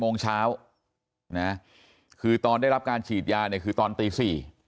โมงเช้านะคือตอนได้รับการฉีดยาเนี่ยคือตอนตี๔